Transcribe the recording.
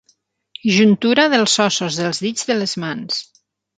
Juntura dels ossos dels dits de les mans.